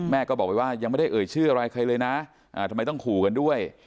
แม่ก็บอกไปว่ายังไม่ได้เอ่ยชื่ออะไรใครเลยนะทำไมต้องขู่กันด้วย